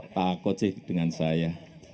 takut sih dengan saya